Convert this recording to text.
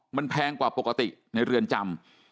มันแพงกว่าปกติในเรือนจำ